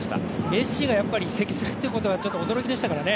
メッシがやっぱり移籍するということは驚きでしたからね。